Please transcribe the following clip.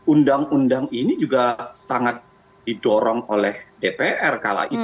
undang undang ini juga sangat didorong oleh dpr kala itu